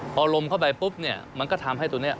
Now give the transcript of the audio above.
พอลมเข้าไปปุ๊บเนี่ยมันก็ทำให้ตัวนี้